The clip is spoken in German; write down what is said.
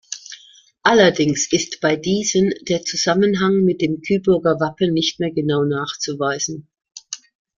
Allerdings ist bei diesen der Zusammenhang mit dem Kyburger Wappen nicht mehr genau nachzuweisen.